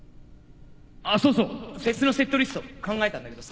あっそうそうフェスのセットリスト考えたんだけどさ。